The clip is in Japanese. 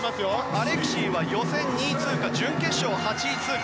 アレクシーは予選２位通過準決勝８位通過。